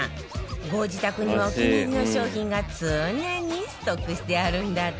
ご自宅にはお気に入りの商品が常にストックしてあるんだって